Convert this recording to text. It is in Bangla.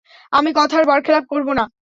আমি কথার বরখেলাপ করব না।